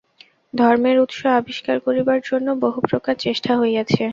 ধর্মের উৎস আবিষ্কার করিবার জন্য বহু প্রকার চেষ্টা হইয়াছে।